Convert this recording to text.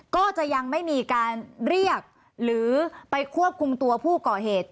ก็จะยังไม่มีการเรียกหรือไปควบคุมตัวผู้ก่อเหตุ